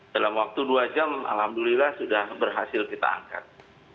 dalam waktu dua jam alhamdulillah sudah berhasil kita angkat